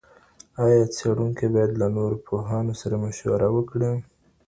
ایا څېړونکی باید له نورو پوهانو سره مشوره وکړي؟